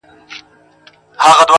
o د کمبلي پر يوه سر غم دئ، پر بل ښادي.